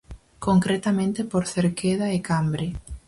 Concretamente por Cerqueda e Cambre.